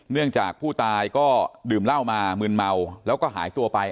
จากผู้ตายก็ดื่มเหล้ามามืนเมาแล้วก็หายตัวไป